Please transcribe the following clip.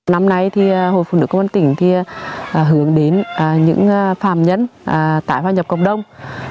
năm nay thì hội phụ nữ công an tỉnh thì hướng đến những phàm nhẫn tại phàm nhập cộng đồng